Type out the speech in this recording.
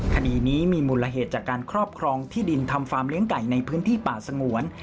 คดีนี้มีมูลละเหตุจากการครอบครองที่ดินทำฟาร์มเลี้ยงไก่ในพื้นที่ป่าสงวน